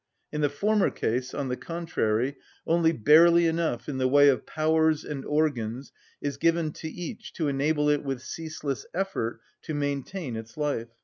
In the former case, on the contrary, only barely enough in the way of powers and organs is given to each to enable it with ceaseless effort to maintain its life.